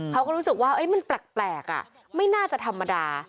เขาก็รู้สึกว่ามันแปลกไม่น่าจะธรรมดา